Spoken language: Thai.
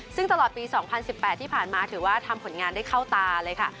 ซึ่งตลอดปี๒๐๑๘ที่ผ่านมาถือว่าทำผลงานได้เข้าตาเลยค่ะ